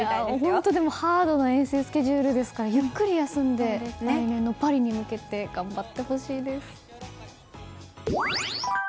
本当にハードな遠征スケジュールですからゆっくり休んでパリに向けて頑張ってほしいです。